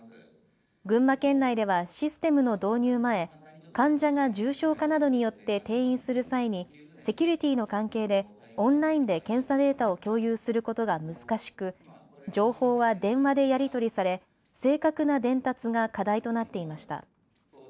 群馬県内ではシステムの導入前、患者が重症化などによって転院する際にセキュリティーの関係でオンラインで検査データを共有することが難しく情報は電話でやり取りされ正確な伝達が課題となっていました。